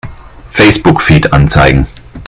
Facebook-Feed anzeigen!